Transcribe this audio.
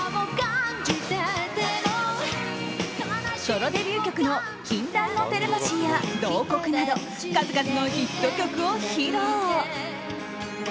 ソロデビュー曲の「禁断のテレパシー」や「慟哭」など数々のヒット曲を披露。